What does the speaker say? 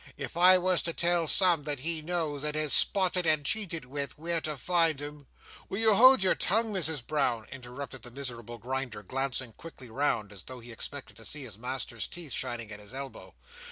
If I was to tell some that he knows, and has spotted and cheated with, where to find him—" "Will you hold your tongue, Misses Brown?" interrupted the miserable Grinder, glancing quickly round, as though he expected to see his master's teeth shining at his elbow.